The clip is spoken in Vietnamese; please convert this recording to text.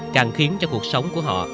càng khiến cho cuộc sống của họ